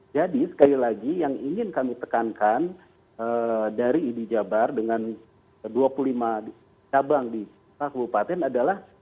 jadi sekali lagi yang ingin kami tekankan dari ibu jabar dengan dua puluh lima cabang di kepala kabupaten adalah